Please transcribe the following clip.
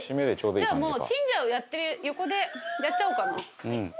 じゃあチンジャオやってる横でやっちゃおうかな。